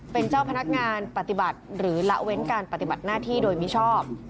เป็นเจ้าพนักงานปฏิบัติหรือละเว้นการปฏิบัติหน้าที่โดยมิชอบ